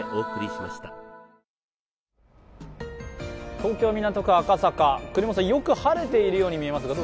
東京・港区赤坂、國本さん、よく晴れているように見えますが。